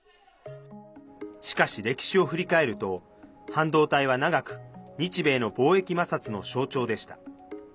しかし、歴史を振り返ると半導体は長く日米の貿易摩擦の象徴でした。